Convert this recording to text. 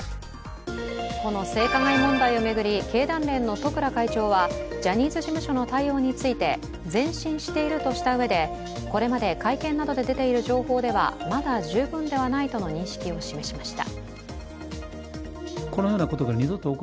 この性加害問題を巡り、経団連の十倉会長はジャニーズ事務所の対応について前進しているとしたうえで、これまで会見などで出ている情報ではまだ十分ではないとの認識を示しました。